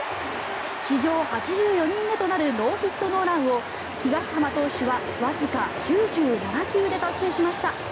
史上８４人目となるノーヒット・ノーランを東浜投手はわずか９７球で達成しました。